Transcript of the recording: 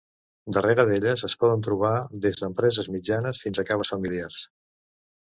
Darrere d'elles es poden trobar des d'empreses mitjanes fins a caves familiars.